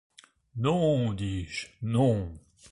Non, dis-je, non.